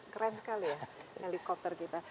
keren sekali ya helikopter kita